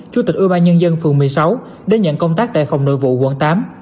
chủ tịch ủy ba nhân dân phường một mươi sáu đến nhận công tác tại phòng nội vụ quận tám